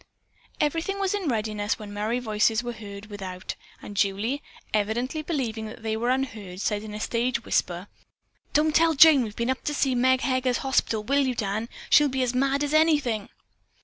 Everything was in readiness when merry voices were heard without, and Julie, evidently believing they were unheard, said in a stage whisper: "Don't tell Jane that we've been up to see Meg Heger's hospital, will you, Dan? She'd be mad as anything."